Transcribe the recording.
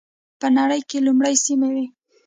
په نړۍ کې لومړنۍ سیمې وې.